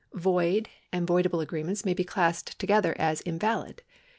^ Void and voidable agreements may be classed together as invalid.